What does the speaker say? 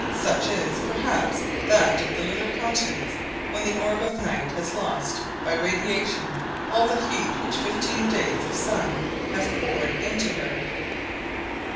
Such is, perhaps, that of the lunar continents, when the orb of night has lost by radiation all the heat which fifteen days of sun have poured into her.